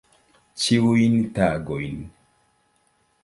Ĉiujn tagojn.